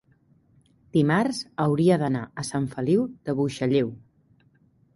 dimarts hauria d'anar a Sant Feliu de Buixalleu.